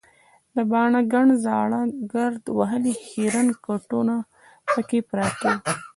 د باڼه ګڼ زاړه ګرد وهلي خیرن کټونه پکې پراته وو.